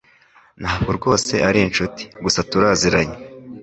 Ntabwo rwose ari inshuti, gusa tuziranye.